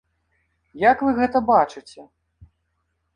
Як вы гэта бачыце?